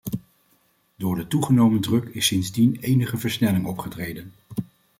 Door de toegenomen druk is sindsdien enige versnelling opgetreden.